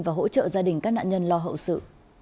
và hỗ trợ gia đình các nạn nhân lo hậu sự